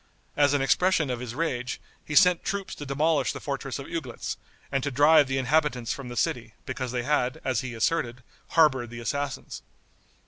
As an expression of his rage, he sent troops to demolish the fortress of Uglitz, and to drive the inhabitants from the city, because they had, as he asserted, harbored the assassins.